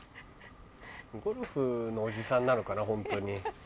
ゴルフのおじさんなのかなホントに。